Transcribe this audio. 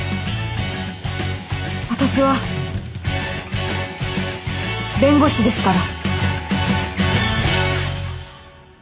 私は弁護士ですから。